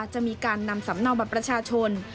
พิษปจะมีการนำสำนักบัตรประชาชน